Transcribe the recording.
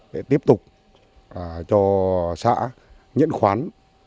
để tiếp tục cho xã nhận khoán